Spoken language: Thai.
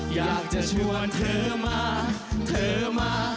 อยากจะชวนเธอมาเธอมา